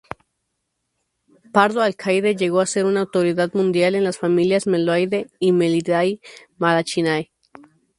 Pardo Alcaide llegó a ser una autoridad mundial en las familias Meloidae y Melyridae-Malachiinae.